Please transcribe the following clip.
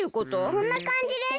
こんなかんじです。